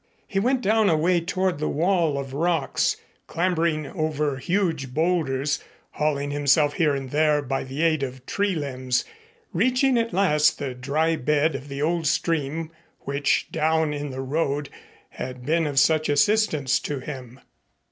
He went down a way toward the wall of rocks, clambering over huge bowlders, hauling himself here and there by the aid of tree limbs, reaching at last the dry bed of the old stream which down in the road had been of such assistance to him.